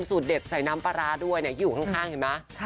สูตรเด็ดใส่น้ำปลาร้าด้วยอยู่ข้างเห็นไหม